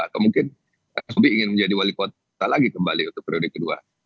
atau mungkin pak sby ingin menjadi wali kota lagi kembali untuk periode kedua